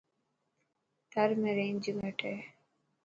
ٿر ۾ رينج گھٽ هي.